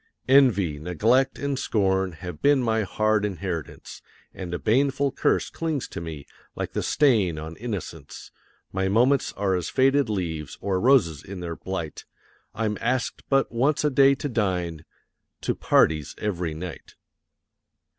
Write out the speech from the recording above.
Envy, Neglect, and Scorn have been my hard inheritance; And a baneful curse clings to me, like the stain on innocence; My moments are as faded leaves, or roses in their blight I'm asked but once a day to dine to parties every night.